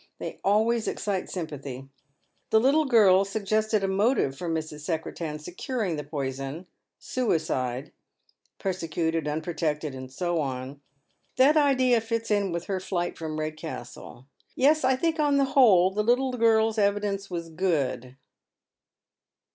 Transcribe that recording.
They always excite sympathy. The little girl suggested a motive for Mrs. Secretan's securing the poison suicide — persecuted, unprotected, and bo on. That idea fits in with her flight from Redcastle. Yes, I think on the whole the little girl's evidence was good."